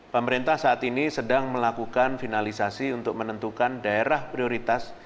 pemerintah saat ini sedang melakukan finalisasi untuk menentukan daerah prioritas